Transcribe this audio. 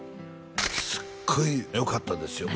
すっごいよかったですよ